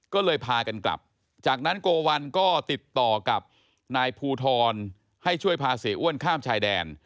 ก็เลยพากันกลับจากนั้นโกวัลก็ติดต่อกับนายภูทรให้ช่วยพาเสียอ้วนข้ามชายแดน